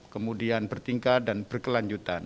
kemudian bertingkat dan berkelanjutan